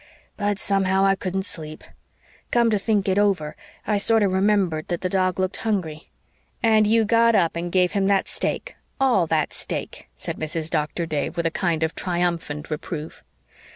But somehow I couldn't sleep. Come to think it over, I sorter remembered that the dog looked hungry." "And you got up and gave him that steak ALL that steak," said Mrs. Doctor Dave, with a kind of triumphant reproof.